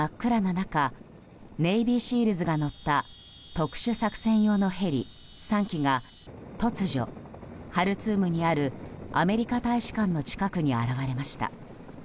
中ネイビーシールズが乗った特殊作戦用のヘリ３機が突如、ハルツームにあるアメリカ大使館の近くに現れました。